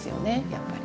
やっぱり。